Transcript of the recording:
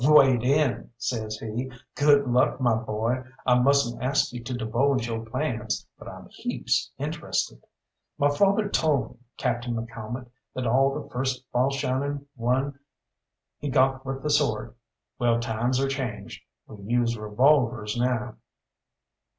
"Wade in!" says he; "good luck, my boy. I mustn't ask you to divulge yo' plans, but I'm heaps interested." "My father told me, Captain McCalmont, that all the first Balshannon won he got with the sword. Well, times are changed we use revolvers now!"